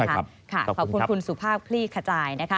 ขอบคุณคุณสุภาพคลี่ขจาย